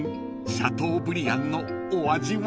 シャトーブリアンのお味は？］